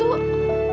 aku mau pergi